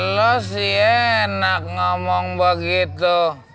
lo sih enak ngomong begitu